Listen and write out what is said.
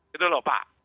gitu lho pak